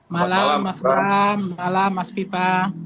malam mas ram malam mas pipa